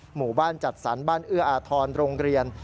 หมู่บ้านจัดสรรบ้านเอื้ออาทรโรงเรียน